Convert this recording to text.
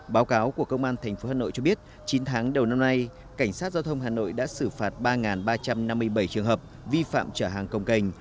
báo cáo của công an tp hà nội cho biết chín tháng đầu năm nay cảnh sát giao thông hà nội đã xử phạt ba ba trăm năm mươi bảy trường hợp vi phạm trở hàng công cành